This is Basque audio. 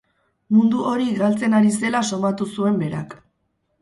Mundu hori galtzen ari zela somatu zuen berak.